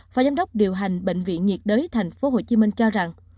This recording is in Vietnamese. phó giám đốc điều hành bệnh viện nhiệt đới tp hcm cho rằng